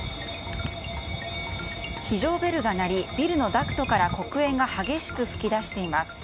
非常ベルが鳴りビルのダクトから黒煙が激しく噴き出しています。